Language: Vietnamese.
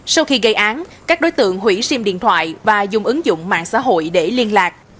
sau khi gây án các đối tượng hủy sim điện thoại và dùng ứng dụng mạng xã hội để liên lạc